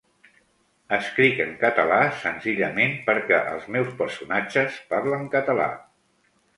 Escric en català senzillament perquè els meus personatges parlen català.